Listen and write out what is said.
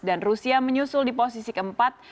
dan rusia menyusul di posisi keempat